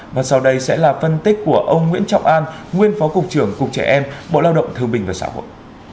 và sau đây sẽ là phân tích của ông nguyễn trọng an nguyên phó cục trưởng cục trẻ em bộ lao động thương bình và xã hội